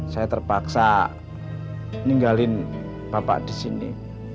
saya terpaksa ninggalin bapak di sini